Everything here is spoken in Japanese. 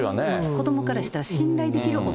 子どもからしたら信頼できる大人。